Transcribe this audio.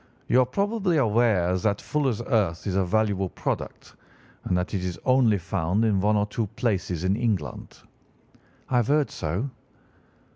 You are probably aware that fuller's earth is a valuable product, and that it is only found in one or two places in England?' "'I have heard so.